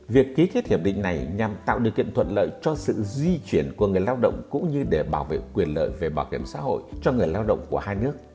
việc ký kết hiệp định này nhằm tạo điều kiện thuận lợi cho sự di chuyển của người lao động cũng như để bảo vệ quyền lợi về bảo hiểm xã hội cho người lao động của hai nước